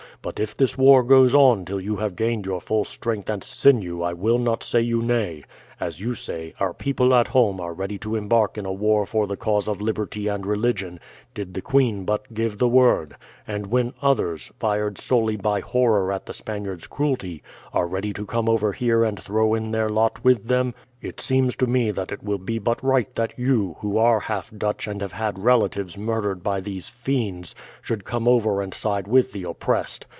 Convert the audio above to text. But if this war goes on till you have gained your full strength and sinew I will not say you nay. As you say, our people at home are ready to embark in a war for the cause of liberty and religion, did the queen but give the word; and when others, fired solely by horror at the Spaniards' cruelty, are ready to come over here and throw in their lot with them, it seems to me that it will be but right that you, who are half Dutch and have had relatives murdered by these fiends, should come over and side with the oppressed.